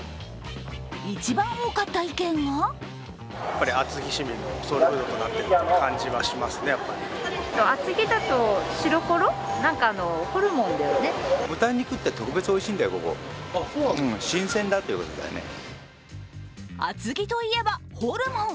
一番多かった意見が厚木といえば、ホルモン。